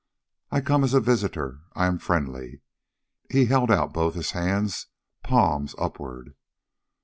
I come as a visitor I am friendly." He held out both his hands, palms upward.